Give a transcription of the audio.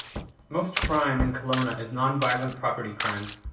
Most crime in Kelowna is non-violent property crime.